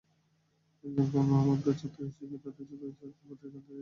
একজন গুণমুগ্ধ ছাত্র হিসেবে তাঁদের চর্চার গতি-প্রকৃতি জানতে চেয়েছি, বুঝতে চেষ্টা করেছি।